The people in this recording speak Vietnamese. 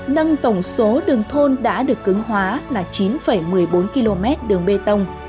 nâng tổng số đường thôn đã được cứng hóa là chín một mươi bốn km đường bê tông